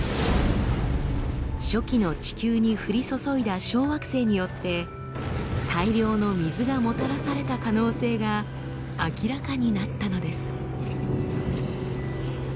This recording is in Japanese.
初期の地球に降り注いだ小惑星によって大量の水がもたらされた可能性が明らかになったのです。